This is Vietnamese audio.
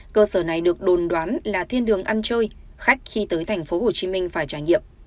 cơ sở này được đồn đoán là thiên đường ăn chơi khách khi tới tp hcm phải trải nghiệm